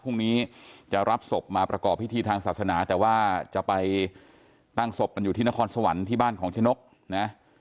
พรุ่งนี้จะรับศพมาประกอบพิธีทางศาสนาแต่ว่าจะไปตั้งศพกันอยู่ที่นครสวรรค์ที่บ้านของชะนกนะ